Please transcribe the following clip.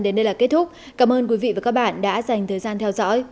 đến đây là kết thúc cảm ơn quý vị và các bạn đã dành thời gian theo dõi